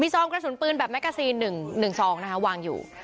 ซองกระสุนปืนแบบแกซีน๑ซองนะคะวางอยู่